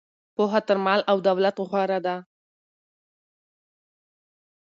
پوهه تر مال او دولت غوره ده.